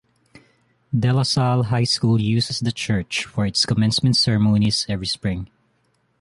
DeLaSalle High School uses the church for its commencement ceremonies every spring.